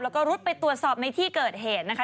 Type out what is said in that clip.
แล้วก็รุดไปตรวจสอบในที่เกิดเหตุนะคะ